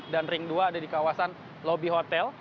dan ring dua ada di kawasan lobby hotel